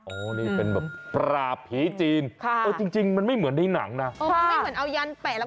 โอ้นี่เป็นแบบปราบผีจีนเออจริงมันไม่เหมือนในหนังนะ